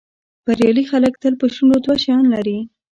بریالي خلک تل په شونډو دوه شیان لري.